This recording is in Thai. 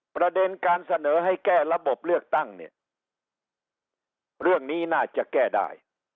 ประเด็นการเสนอให้แก้ระบบเลือกตั้งเนี่ยเรื่องนี้น่าจะแก้ได้